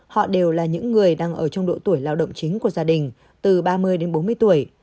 họ đều là những người đang ở trong độ tuổi lao động chính của gia đình từ ba mươi đến bốn mươi tuổi